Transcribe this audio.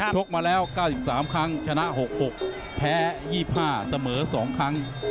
กมาแล้ว๙๓ครั้งชนะ๖๖แพ้๒๕เสมอ๒ครั้ง